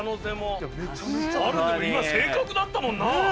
今正確だったもんな。